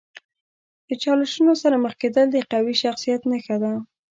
د چالشونو سره مخ کیدل د قوي شخصیت نښه ده.